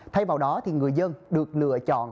thay vào đó thì người dân được lựa chọn